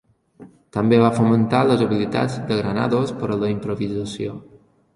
També va fomentar les habilitats de Granados per la improvisació.